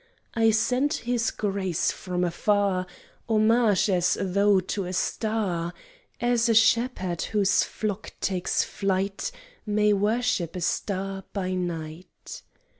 I send his grace from afar Homage, as though to a star; As a shepherd whose flock takes flight May worship a star by night.